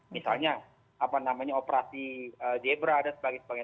misalnya apa namanya operasi zebra dan sebagainya